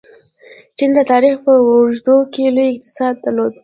چین د تاریخ په اوږدو کې لوی اقتصاد درلود.